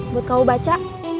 buat kamu baca